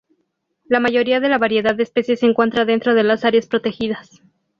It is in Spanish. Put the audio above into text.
La mayoría de la variedad de especies se encuentra dentro de las áreas protegidas.